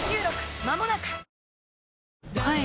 まもなく！